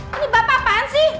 ini bapak apaan sih